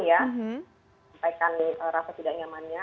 sampaikan rasa tidak nyamannya